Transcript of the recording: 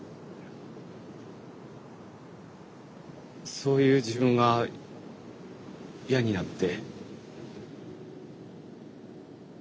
そういう自分が嫌になって。